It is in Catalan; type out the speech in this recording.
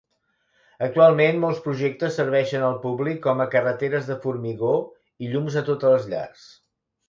Actualment molts projectes serveixen al públic com a carreteres de formigó i llums a totes les llars.